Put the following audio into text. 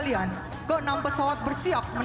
dan kemampuan terbuka